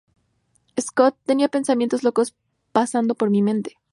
Scott, "tenía pensamientos locos pasando por mi mente".